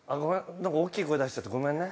なんか大きい声出しちゃってごめんね。